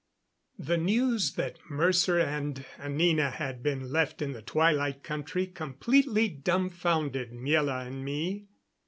The news that Mercer and Anina had been left in the Twilight Country completely dumfounded Miela and me.